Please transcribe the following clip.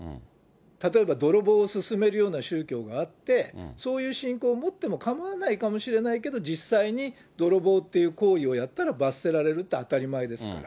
例えば泥棒を勧めるような宗教があって、そういう信仰を持ってもかまわないかもしれけれども、実際に泥棒って行為をやったら罰せられるって、当たり前ですから。